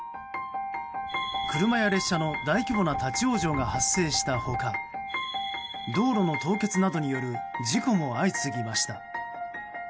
車や列車の大規模な立ち往生が発生した他道路の凍結などによる事故も相次ぎました。